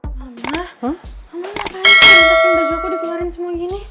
kamu kenapa yang sering bikin baju aku dikeluarin semua gini